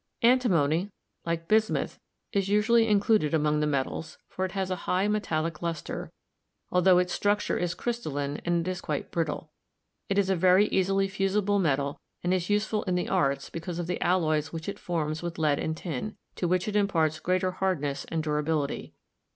Antimony, like bismuth, is usually included among the metals, for it has a high metallic luster, altho its structure is crystalline and it is quite brittle. It is a very easily fusible metal and is useful in the arts because of the alloys which it forms with lead and tin, to which it imparts greater hardness and durability.